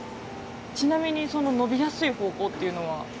ちなみにその伸びやすい方向っていうのは？